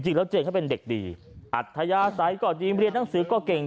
จริงแล้วเจนเขาเป็นเด็กดีอัธยาศัยก็ดีเรียนหนังสือก็เก่ง